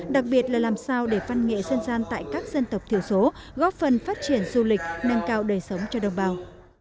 đặc biệt là làm sao để văn nghệ dân gian tại các dân tộc thiểu số góp phần phát triển du lịch nâng cao đời sống cho đồng bào